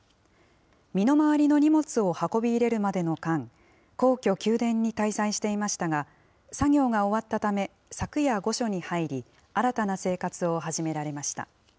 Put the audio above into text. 身の回りの荷物を運び入れるまでの間、皇居・宮殿に滞在していましたが、作業が終わったため、昨夜御所に入り、新たな生活を始められました。